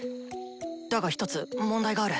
だがひとつ問題がある！